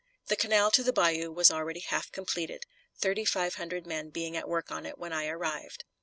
The canal to the bayou was already half completed, thirty five hundred men being at work on it when I arrived.